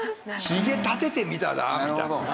ひげ立ててみたら？みたいな。